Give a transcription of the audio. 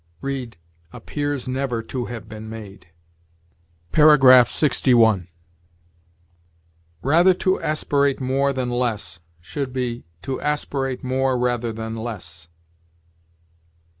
read, "appears never to have been made." 61. "Rather to aspirate more than less"; should be, "to aspirate more rather than less."